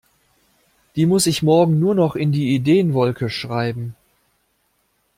Die muss ich morgen nur noch in die Ideenwolke schreiben.